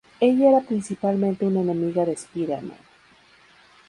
Ella era principalmente una enemiga de Spider-Man.